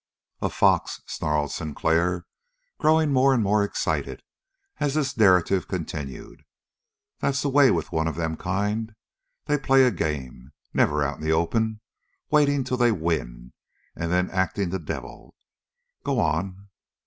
"A fox," snarled Sinclair, growing more and more excited, as this narrative continued. "That's the way with one of them kind. They play a game. Never out in the open. Waiting till they win, and then acting the devil. Go on!"